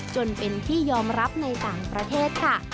จนเป็นที่ยอมรับในต่างประเทศค่ะ